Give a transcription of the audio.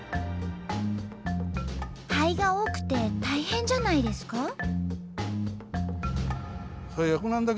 灰が多くて大変じゃないですか？